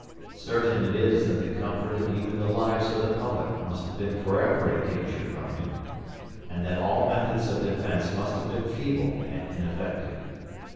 Certain it is that the comfort and even the lives of the public must have been forever in danger from him; and that all methods of defence must have been feeble and ineffective.